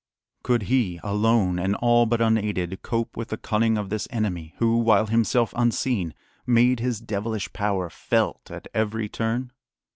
Could he, alone and all but unaided, cope with the cunning of this enemy who, while himself unseen, made his devilish power felt at every turn?